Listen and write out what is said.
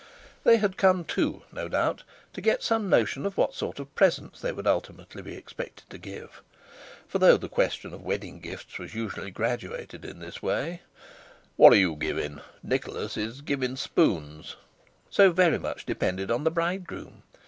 They had come, too, no doubt, to get some notion of what sort of presents they would ultimately be expected to give; for though the question of wedding gifts was usually graduated in this way: "What are you givin'. Nicholas is givin' spoons!"—so very much depended on the bridegroom.